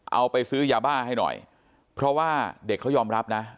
เอาไปซื้อยาบ้าให้หน่อยเพราะว่าเด็กเขายอมรับนะ